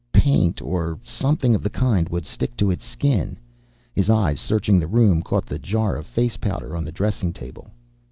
Paint, or something of the kind, would stick to its skin.... His eyes, searching the room, caught the jar of face powder on the dressing table.